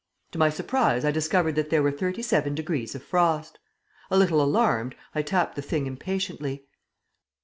To my surprise I discovered that there were thirty seven degrees of frost. A little alarmed, I tapped the thing impatiently.